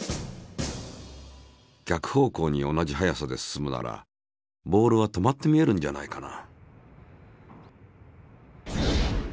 逆方向に同じ速さで進むならボールは止まって見えるんじゃないかな？